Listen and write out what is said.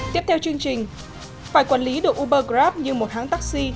tiếp theo chương trình phải quản lý được uber grab như một hãng taxi